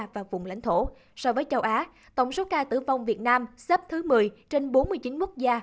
và vùng lãnh thổ so với châu á tổng số ca tử vong việt nam xếp thứ một mươi trên bốn mươi chín quốc gia